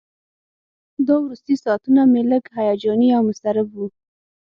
دا وروستي ساعتونه مې لږ هیجاني او مضطرب وو.